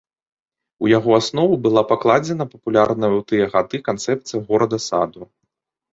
У яго аснову была пакладзена папулярная ў тыя гады канцэпцыя горада-саду.